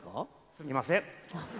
すいません。